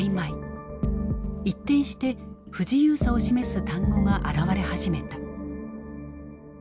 一転して不自由さを示す単語が現れ始めた。